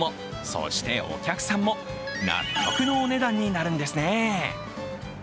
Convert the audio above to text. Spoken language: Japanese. そしてお客さんも納得のお値段になるんですね。